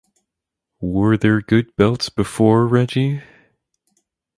Were there good belts before Reggie?